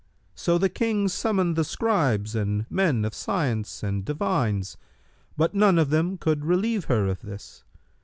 [FN#292] So the King summoned the Scribes and men of science and Divines, but none of them could relieve her of this.